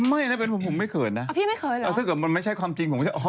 ไม่นั่นเป็นผมผมไม่เขินนะถ้าเกิดมันไม่ใช่ความจริงผมก็พี่ไม่เขินเหรอ